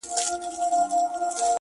• څه ښه یاران وه څه ښه یې زړونه ,